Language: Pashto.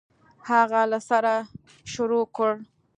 هغه له سره شروع کړ.